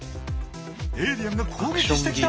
エイリアンが攻撃してきた！